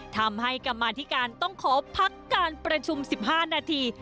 ทำให้กรรมาธิการต้องขอพักการประชุม๑๕นาที